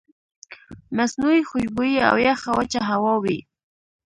مصنوعي خوشبويئ او يخه وچه هوا وي